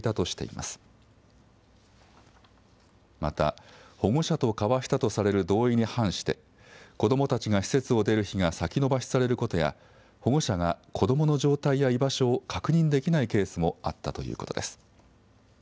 また、保護者と交わしたとされる同意に反して、子どもたちが施設を出る日が先延ばしされることや、保護者が子どもの状態や居場所を確認できないケースもあったということです。